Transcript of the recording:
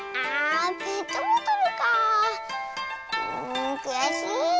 んくやしい。